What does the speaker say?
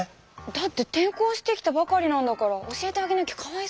だって転校してきたばかりなんだから教えてあげなきゃかわいそうでしょう。